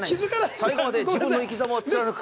最後まで自分の生きざまを貫く！